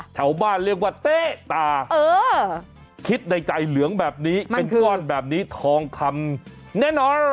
แถวบ้านเรียกว่าเต๊ะตาคิดในใจเหลืองแบบนี้เป็นก้อนแบบนี้ทองคำแน่นอน